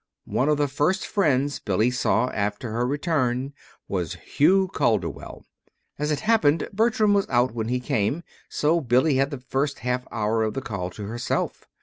One of the first friends Billy saw after her return was Hugh Calderwell. As it happened Bertram was out when he came, so Billy had the first half hour of the call to herself.